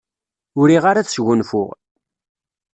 Ur riɣ ara ad sgunfuɣ.